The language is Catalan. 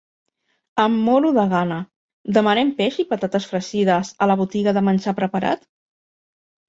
Em moro de gana. Demanem peix i patates fregides a la botiga de menjar preparat?